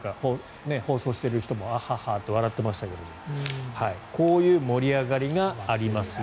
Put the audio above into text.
放送している人もあっはっはって笑ってましたがこういう盛り上がりがありますよ